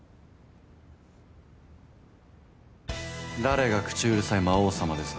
ニャニャ誰が口うるさい魔王様ですか。